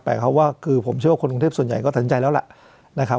หมายความว่าคือผมเชื่อว่าคนกรุงเทพส่วนใหญ่ก็สนใจแล้วล่ะนะครับ